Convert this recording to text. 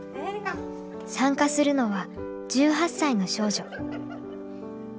参加するのは１８歳の少女。